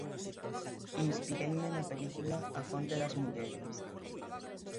Inspireime na película 'A fonte das mulleres'.